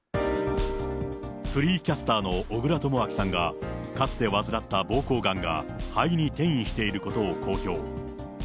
フリーキャスターの小倉智昭さんが、かつて患ったぼうこうがんが、肺に転移していることを公表。